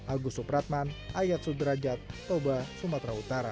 agus supratman ayat sudrajat toba sumatera utara